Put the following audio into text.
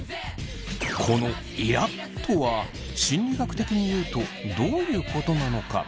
この「イラっ」とは心理学的にいうとどういうことなのか？